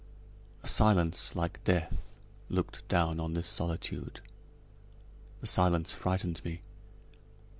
A silence like death looked down on this solitude! The silence frightened me.